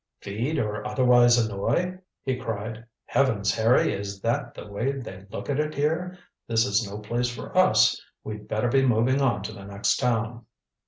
"Feed or otherwise annoy!" he cried. "Heavens, Harry, is that the way they look at it here? This is no place for us. We'd better be moving on to the next town."